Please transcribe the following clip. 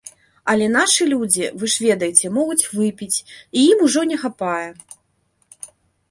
Але нашы людзі, вы ж ведаеце, могуць выпіць, і ім ужо не хапае.